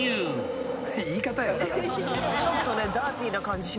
ちょっとね。